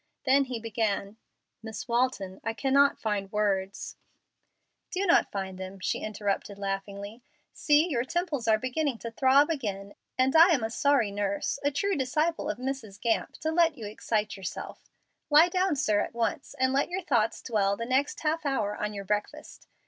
Then he began, "Miss Walton, I cannot find words " "Do not find them," she interrupted, laughingly. "See, your temples are beginning to throb again, and I am a sorry nurse, a true disciple of Mrs. Gamp, to let you excite yourself. Lie down, sir, at once, and let your thoughts dwell the next half hour on your breakfast.